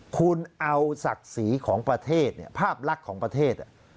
คุณเอาศักดิ์ศรีของประเทศเนี่ยภาพลักษณ์ของประเทศ